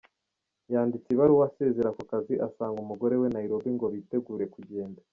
Yanditse ibaruwa asezera ku kazi asanga umugore we Nairobi ngo bitegure kugenda.